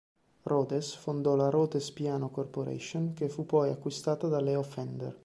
Rhodes fondò la "Rhodes Piano Corporation", che fu poi acquistata da Leo Fender.